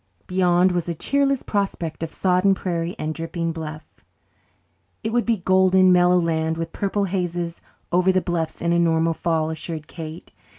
Beyond was a cheerless prospect of sodden prairie and dripping "bluff." "It would be a golden, mellow land, with purple hazes over the bluffs, in a normal fall," assured Kate.